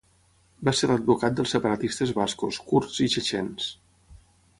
Va ser l'advocat dels separatistes bascos, kurds i txetxens.